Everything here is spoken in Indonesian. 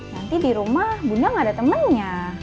nanti dirumah bunda gak ada temennya